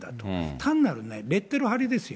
単なるレッテル貼りですよ。